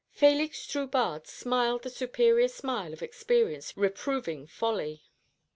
Félix Drubarde smiled the superior smile of experience reproving folly.